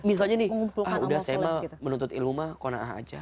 misalnya nih ah udah saya mau menuntut ilmu mah kona'a aja